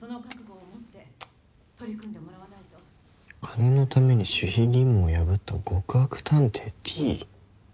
「金のために守秘義務を破った極悪探偵Ｔ」？